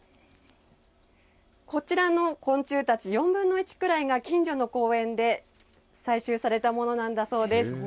こちらの昆虫たち４分の１くらいが近所の公園で採集されたものなんだそうです